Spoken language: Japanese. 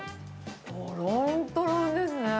とろんとろんですね。